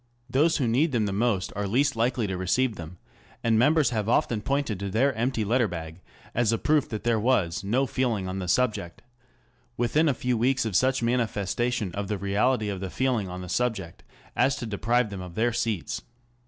Those who need them most are least likely to receive them, and members have often pointed to their empty letter bag as a proof that there was " no feeling on the subject/' within a few weeks of such a manifestation of the reality of the feeling on the subject as to deprive them of their seats.